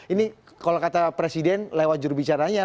ini kalau kata presiden lewat jurubicaranya